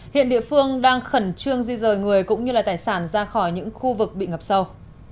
hiện địa phương đang khẩn trương di rời người cũng như tài sản ra khỏi những khu vực bị ngập sâu